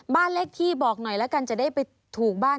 บ้านเลขที่บอกหน่อยแล้วกันจะได้ไปถูกบ้าน